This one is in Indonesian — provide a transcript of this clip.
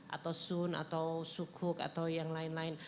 atau sun atau sukuk atau yang lain lain